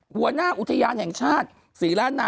หัวหน้าอุทยานแห่งชาติศรีล้านนา